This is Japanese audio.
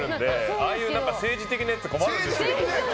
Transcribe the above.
ああいう政治的なやつ困るんですよ。